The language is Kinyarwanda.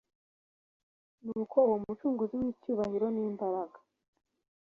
Nuko uwo Mucunguzi w'icyubahiro n'imbaraga,